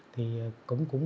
thì cũng còn